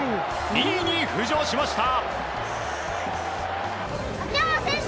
２位に浮上しました。